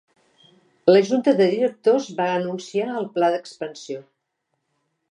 La junta de directors va anunciar el pla d'expansió.